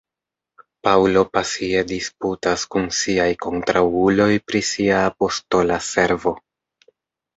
Paŭlo pasie disputas kun siaj kontraŭuloj pri sia apostola servo.